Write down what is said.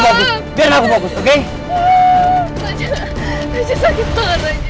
raja raja sakit banget raja